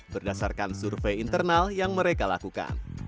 berdasarkan survei internal yang mereka lakukan